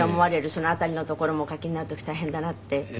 その辺りのところもお描きになる時大変だなって。